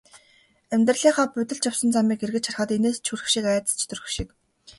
Амьдралынхаа будилж явсан замыг эргэж харахад инээд ч хүрэх шиг, айдас ч төрөх шиг.